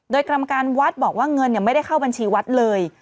โดยกรรมการวัดบอกว่าเงินไม่ได้เข้าบัญชีวัดเลย